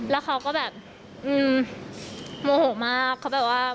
แล้วเขาก็แบบโมโหมากเขาแบบว่า